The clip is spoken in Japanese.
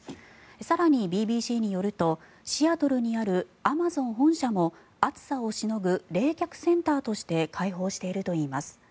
更に、ＢＢＣによるとシアトルにあるアマゾン本社も暑さをしのぐ冷却センターとして開放しているといいます。